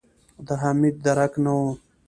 د حميد درک نه و.